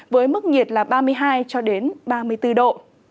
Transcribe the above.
với mức nhiệt là ba mươi hai ba mươi bốn độ